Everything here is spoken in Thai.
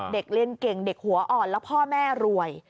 เด็กเรียนเก่งเด็กหัวอ่อนแล้วพ่อแม่รวย